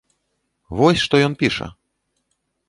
Вось што ён піша!